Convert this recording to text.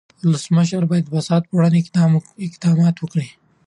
ولسمشر باید د فساد پر وړاندې اقدامات وکړي.